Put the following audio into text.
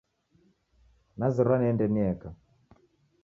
Nazerwa niende nieka